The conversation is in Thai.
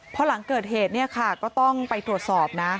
พอหลังเกิดเหตุเนี่ยค่ะก็ต้องไปตรวจสอบนะ